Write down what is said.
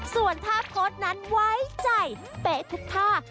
ส่วนท่าโพสต์นั้นไว้ใจเป๊ะทุกท่า